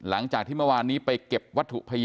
นางนาคะนี่คือยยน้องจีน่าคุณยายถ้าแท้เลย